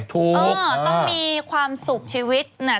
ถึงจะชิวนะคะ